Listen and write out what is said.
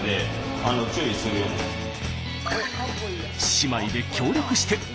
姉妹で協力して。